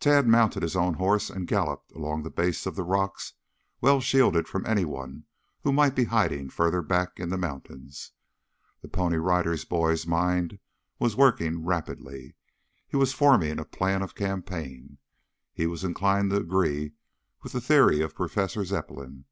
Tad mounted his own horse and galloped along at the base of the rocks, well shielded from any one who might be hiding further back in the mountains. The Pony Rider Boy's mind was working rapidly. He was forming a plan of campaign. He was inclined to agree with the theory of Professor Zepplin.